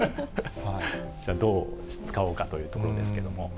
じゃあどう使おうかというところですけれども。